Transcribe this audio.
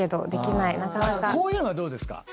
こういうのはどうですか？